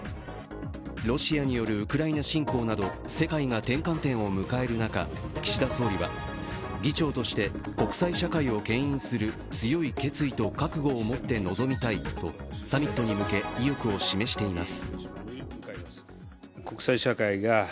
ロシアによるウクライナ侵攻など世界が転換点を迎える中、岸田総理は議長として国際社会をけん引する強い決意と覚悟を持って臨みたいとサミットに向け、意欲を示しています。